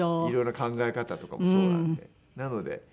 いろいろ考え方とかもそうなので。